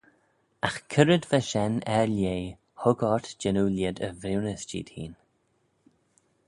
Agh c'red va shen er lheh hug ort jannoo lhied y vriwnys jeed hene?